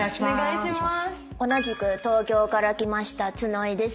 同じく東京から来ました角井です。